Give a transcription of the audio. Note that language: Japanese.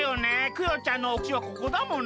クヨちゃんのお口はここだもの。